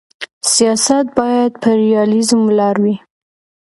سیاست باید پر ریالیزم ولاړ وي.